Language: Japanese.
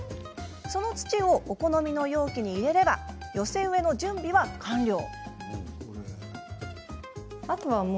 その土をお好みの容器に入れれば寄せ植えの準備は完了。